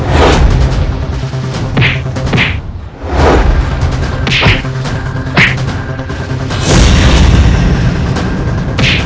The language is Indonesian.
jika orang seperti dia didiamkan